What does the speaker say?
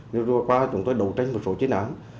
nếu đưa qua chúng tôi đấu tranh một số chiến án